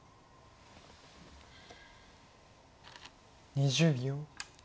２０秒。